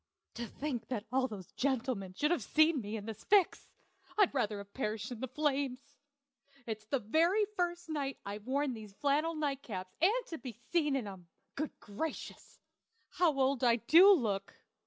To think that all those gentlemen should have seen me in this fix! I'd rather have perished in the flames. It's the very first night I've worn these flannel night caps, and to be seen in 'em! Good gracious! how old I do look!